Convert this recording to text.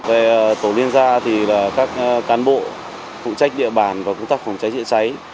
về tổ liên gia thì các cán bộ phụ trách địa bàn và công tác phòng cháy chữa cháy